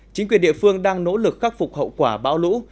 chính quyền địa phương đang nỗ lực khắc phục hậu quả bão lũ